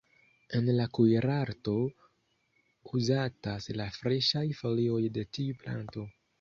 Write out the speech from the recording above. En la kuirarto uzatas la freŝaj folioj de tiu planto.